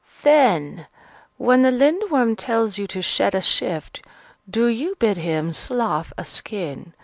Then, when the Lindworm tells you to shed a shift, do you bid him slough a skin.